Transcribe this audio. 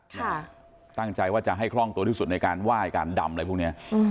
ค่ะตั้งใจว่าจะให้คล่องตัวที่สุดในการไหว้การดำอะไรพวกเนี้ยอืม